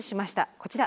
こちら。